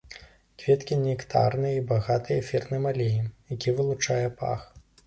Кветкі нектарныя і багатыя эфірным алеем, які вылучае пах.